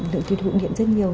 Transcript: lượng tiêu thụ điện rất nhiều